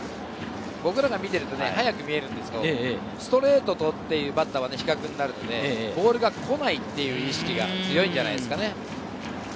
僕なんか見てると、速く見えるんですけれど、ストレートっていうのはバッターの比較になるのでボールが来ないっていう意識が強いんじゃないですかね。